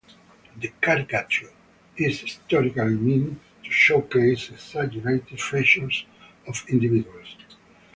The caricature is historically meant to showcase exaggerated features of individuals.